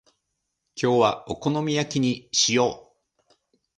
今日はお好み焼きにしよう。